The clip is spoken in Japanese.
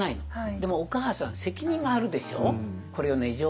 でもお母さん責任があるでしょ？